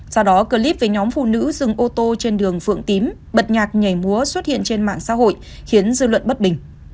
sau đó clip với nhóm phụ nữ dừng ô tô trên đường phượng tím bật nhạc nhảy múa xuất hiện trên mạng xã hội khiến dư luận bất bình